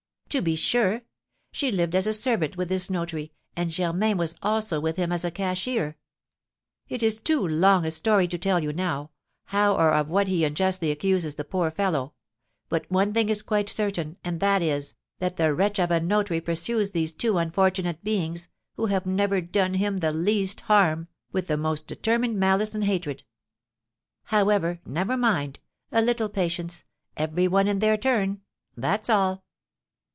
"To be sure; she lived as servant with this notary, and Germain was also with him as cashier. It is too long a story to tell you now, how or of what he unjustly accuses the poor fellow; but one thing is quite certain, and that is, that the wretch of a notary pursues these two unfortunate beings, who have never done him the least harm, with the most determined malice and hatred. However, never mind, a little patience, 'every one in their turn,' that's all."